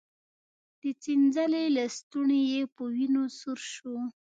د څنځلې لستوڼی يې په وينو سور شو.